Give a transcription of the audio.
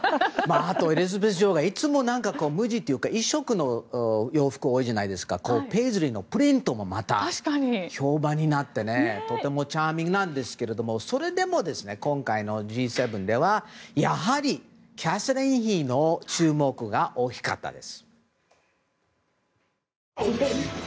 あと、エリザベス女王がいつも無地というか一色の服が多いですがそれがプリントで評判になってとてもチャーミングなんですがそれでも今回のＧ７ではキャサリン妃の注目が大きかったです。